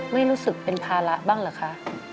ไม่รู้สึกเป็นภาระบ้างเหรอคะ